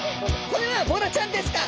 これはボラちゃんですか！？